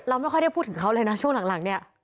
ไม่ค่อยได้พูดถึงเขาเลยนะช่วงหลังเนี่ย